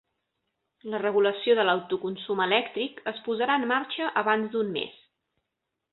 La regulació de l'autoconsum elèctric es posarà en marxa abans d'un mes